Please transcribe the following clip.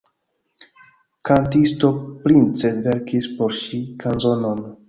Kantisto Prince verkis por ŝi kanzonon.